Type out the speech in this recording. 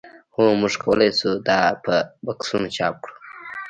هو موږ کولی شو دا په بکسونو چاپ کړو